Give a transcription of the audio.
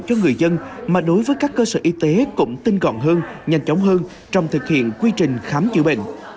cho người dân mà đối với các cơ sở y tế cũng tinh gọn hơn nhanh chóng hơn trong thực hiện quy trình khám chữa bệnh